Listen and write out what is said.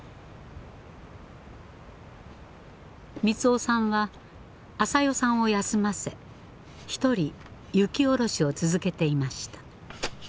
三男さんはあさよさんを休ませ１人雪下ろしを続けていました。